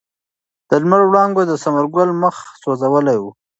د لمر وړانګو د ثمر ګل مخ سوځولی و.